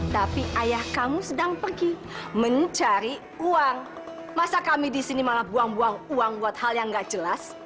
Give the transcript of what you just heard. tapi ayah kamu sedang pergi mencari uang masa kami di sini malah buang buang uang buat hal yang gak jelas